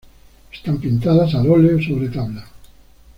Están pintadas al óleo sobre tabla.